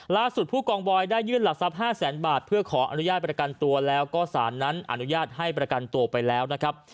ผู้กองบอยได้ยื่นหลักทรัพย์๕แสนบาทเพื่อขออนุญาตประกันตัวแล้วก็สารนั้นอนุญาตให้ประกันตัวไปแล้วนะครับ